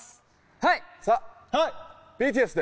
はい！